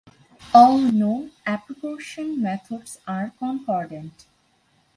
All known apportionment methods are concordant.